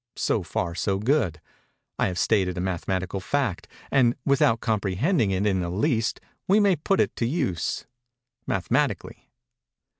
So far good:—I have stated a mathematical fact; and, without comprehending it in the least, we may put it to use—mathematically.